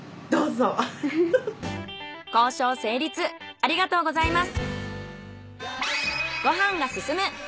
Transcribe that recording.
ありがとうございます。